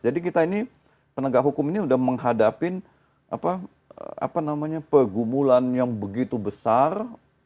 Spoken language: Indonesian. jadi kita ini penegak hukum ini sudah menghadapi pergumulan yang begitu besar